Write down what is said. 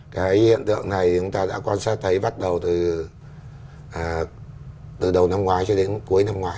cái hiện tượng này chúng ta đã quan sát thấy bắt đầu từ đầu năm ngoái cho đến cuối năm ngoái